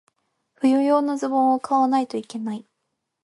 冬用のズボンを買わないといけない。